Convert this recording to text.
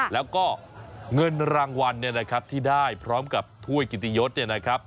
แล้วก็เงินรางวัลเนี่ยนะครับที่ได้พร้อมกับถ้วยกิตยศเนี่ยนะครับ